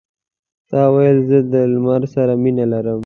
تا ویل زه د لمر سره مینه لرم.